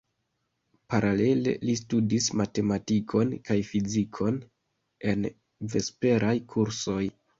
Paralele li studis matematikon kaj fizikon en vesperaj kursoj.